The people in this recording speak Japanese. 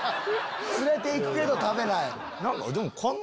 連れて行くけど食べない。